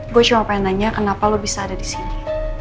gue cuma pengen nanya kenapa lo bisa ada disini